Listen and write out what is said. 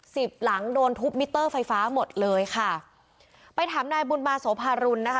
สิบหลังโดนทุบมิเตอร์ไฟฟ้าหมดเลยค่ะไปถามนายบุญมาโสภารุนนะคะ